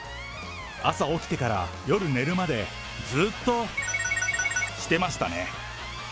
朝起きてから夜寝るまで、ずーっと×××してましたね。